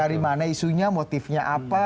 dari mana isunya motifnya apa